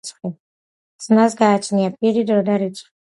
ზმნას გააჩნია პირი, დრო და რიცხვი.